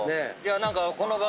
何か。